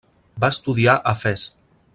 Va estudiar a Fes.